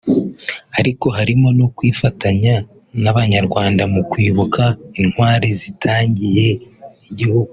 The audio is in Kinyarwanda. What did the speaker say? ariko harimo no kwifatanya n’Abanyarwanda mu kwibuka Intwari zitangiye igihugu